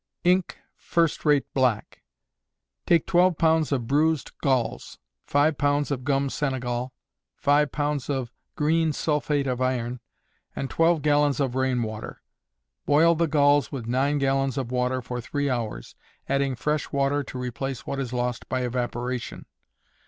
Ink, First Rate Black. Take twelve pounds of bruised galls, five pounds of gum Senegal, five pounds of green sulphate of iron, and twelve gallons of rain water. Boil the galls with nine gallons of water for three hours, adding fresh water to replace what is lost by evaporation.